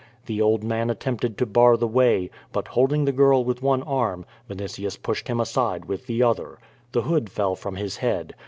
The old man attempted to bar the way, but holding the girl with one arm, Vinitius push ed him aside with the other. The hood fell from his head.